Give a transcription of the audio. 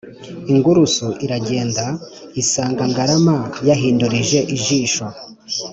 » Ingurusu iragenda, isanga Ngarama yahindurije ijisho,